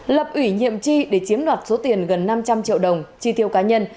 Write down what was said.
lập ủy nhiệm tri để chiếm đoạt số tiền gần năm trăm linh triệu đồng tri thiêu cá nhân